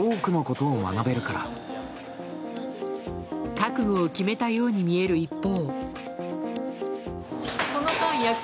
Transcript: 覚悟を決めたように見える一方。